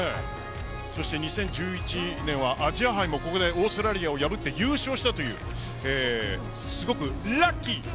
そして２０１１年はアジア杯もここでオーストラリアを破って優勝したというすごくラッキー。